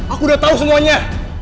aku udah tahu semuanya